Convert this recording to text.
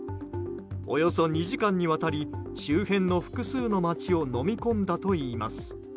およそ２時間にわたり周辺の複数の街をのみ込んだといいます。